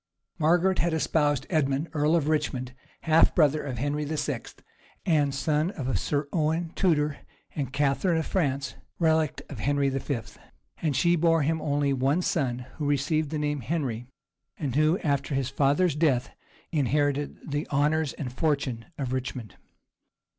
Margaret had espoused Edmund, earl of Richmond, half brother of Henry VI., and son of Sir Owen Tudor and Catharine of France, relict of Henry V., and she bore him only one son, who received the name of Henry, and who, after his father's death, inherited the honors and fortune of Richmond.